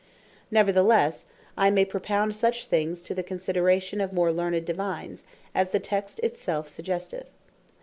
Neverthelesse, I may propound such things to the consideration of more learned Divines, as the text it selfe suggesteth.